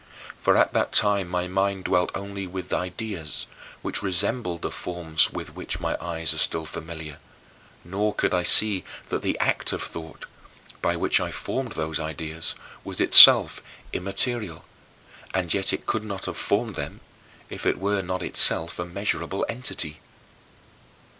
For at that time my mind dwelt only with ideas, which resembled the forms with which my eyes are still familiar, nor could I see that the act of thought, by which I formed those ideas, was itself immaterial, and yet it could not have formed them if it were not itself a measurable entity.